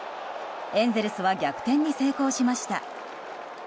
エンゼルスは逆転に成功しました。